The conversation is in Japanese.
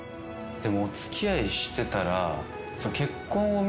お付き合いしてたら。